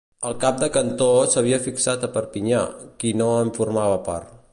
El cap de cantó s'havia fixat a Perpinyà, qui no en formava part.